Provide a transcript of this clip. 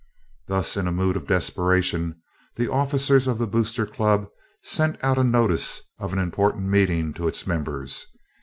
Thus, in a mood of desperation, the officers of the Boosters Club sent out notice of an important meeting to its members.